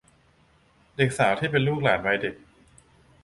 เด็กสาวที่เป็นลูกหลานวัยเด็ก